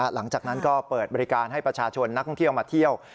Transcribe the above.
หลังจากนั้นก็เปิดบริการให้ประชาชนนักท่องเที่ยวมาเที่ยว